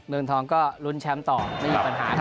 เมืองทองก็ลุ้นแชมป์ต่อไม่มีปัญหา